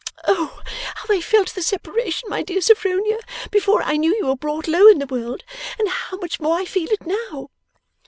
Oh! how I felt the separation, my dear Sophronia, before I knew you were brought low in the world, and how much more I feel it now!